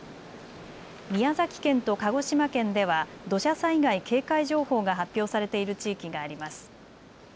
宮崎県と鹿児島県では土砂災害警戒情報が発表されている地域があります。